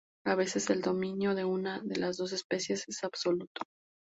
A veces el dominio de una de las dos especies es absoluto.